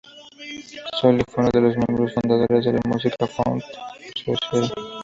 Sully fue uno de los miembros fundadores de la "Musical Fund Society".